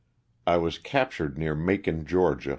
I was captured near Macon, Ga.